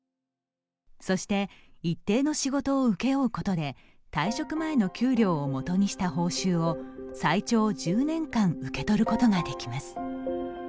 そして、一定の仕事を請け負うことで退職前の給料を元にした報酬を最長１０年間受け取ることができます。